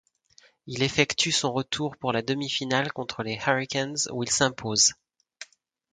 Il effectue son retour pour la demi-finale contre les Hurricanes où ils s'imposent.